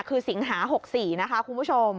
คือสิงหา๖๔นะคะคุณผู้ชม